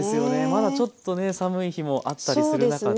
まだちょっとね寒い日もあったりする中で。